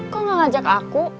kok gak ngajak aku